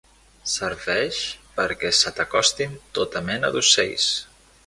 Serveix perquè se t'acostin tota mena d'ocells.